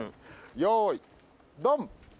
よいドン。